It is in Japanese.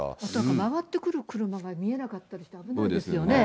曲がってくる車が見えなかったりして、そうですよね。